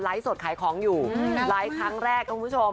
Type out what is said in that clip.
ไลค์สดขายของอยู่ไลค์ครั้งแรกนะครับคุณผู้ชม